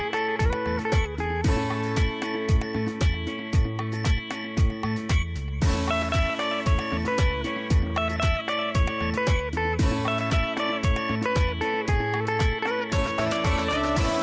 โปรดติดตามตอนต่อไป